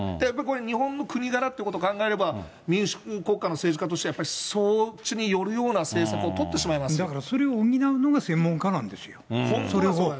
やっぱりこれ、日本の国柄っていうことを考えれば、民主国家の政治家としては、やっぱりそっちに寄るような政策を取ってしまいまだからそれを補うのが専門家なんですよ。それを。